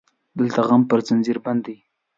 دلته غم په زنځير بند دی